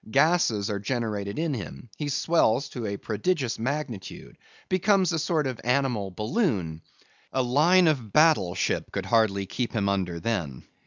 Gases are generated in him; he swells to a prodigious magnitude; becomes a sort of animal balloon. A line of battle ship could hardly keep him under then.